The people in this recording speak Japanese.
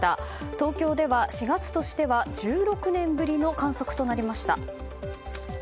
東京では、４月としては１６年ぶりの観測となりました。